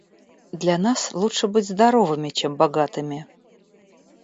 Для нас лучше быть здоровыми, чем богатыми».